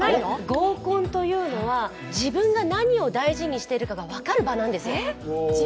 合コンというのは自分が何を大事にしているかが分かる場なんです。